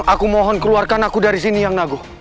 aku mohon keluarkan aku dari sini yang nagu